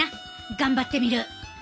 頑張ってみる！